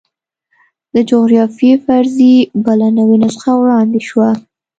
د جغرافیوي فرضیې بله نوې نسخه وړاندې شوه.